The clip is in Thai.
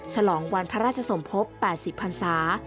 ฉลองวันพระราชสมภพ๘๐พันศา